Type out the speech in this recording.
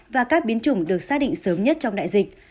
và các biến chủng được xác định sớm nhất trong đại dịch